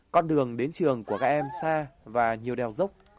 con đường đến trường của các em xa và nhiều đèo dốc